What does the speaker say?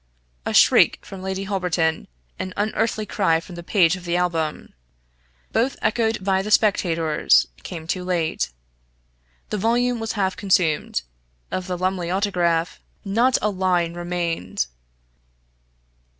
A shriek from Lady Holberton an unearthly cry from the page of the Album both echoed by the spectators, came too late. The volume was half consumed. Of the Lumley Autograph not a line remained!